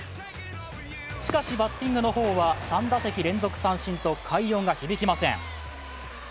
しかし、バッティングの方は３打席連続三振と快音が響きません。